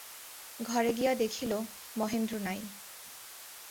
ঘরে গিয়া দেখিল, মহেন্দ্র নাই।